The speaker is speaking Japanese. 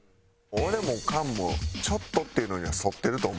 俺も菅もちょっとっていうのには沿ってると思うよ。